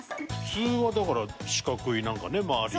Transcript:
普通はだから四角いなんかね周り。